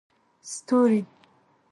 ستوري